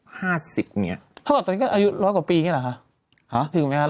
เท่าเพราะตอนนี้ก็อายุร้อยกว่าปีอย่างนี้หรอคะ